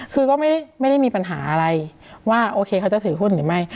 คือก็ไม่ได้มีปัญหาอะไรว่าโอเคเขาจะถือหุ้นหรือไม่